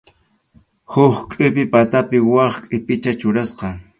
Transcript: Huk qʼipi patapi wak qʼipicha churasqa.